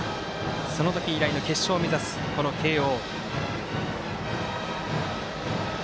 その時以来の決勝を目指す慶応。